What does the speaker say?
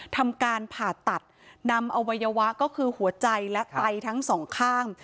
ทำการผ่าตัดนำอวัยวะก็คือหัวใจและไตทั้งสองข้าง